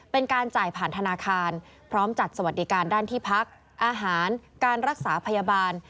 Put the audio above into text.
เป็นการจ่ายผ่านธนาคารพร้อมจัดสวัสดิการด้านที่พักอาหารการรักษาพยาบาล